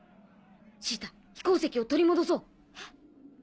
シータ飛行石を取り戻そう。